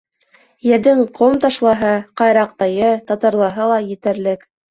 Ерҙең ҡом-ташлыһы, ҡайраҡтайы, татырлыһы ла етерлек.